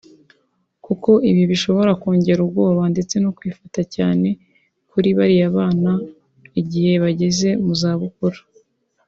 kuko ibi bishobora kongera ubwoba ndetse n’ukwifata cyane kuri bariya bana igihe bageze mu zabukuru